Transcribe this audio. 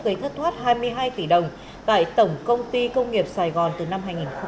gây thất thoát hai mươi hai tỷ đồng tại tổng công ty công nghiệp sài gòn từ năm hai nghìn một mươi bảy